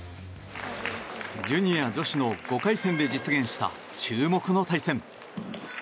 ジュニア女子の５回戦で実現した注目の対戦。